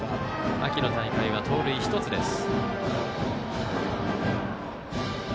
秋の大会は盗塁１つです。